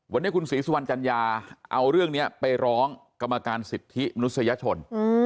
วันนี้คุณศรีสุวรรณจัญญาเอาเรื่องนี้ไปร้องกรรมการสิทธิมนุษยชน